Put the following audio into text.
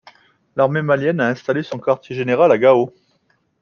L'armée malienne a installé son quartier général à Gao.